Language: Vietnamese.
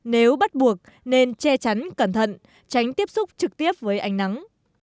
nếu bắt buộc nên che chắn cẩn thận tránh tiếp xúc trực tiếp với ánh nắng